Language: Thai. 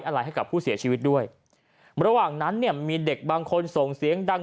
อะไรให้กับผู้เสียชีวิตด้วยระหว่างนั้นเนี่ยมีเด็กบางคนส่งเสียงดัง